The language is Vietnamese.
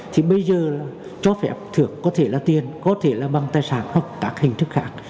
thì bây giờ là cho phép thưởng có thể là tiền có thể là bằng tài sản hoặc các hình thức khác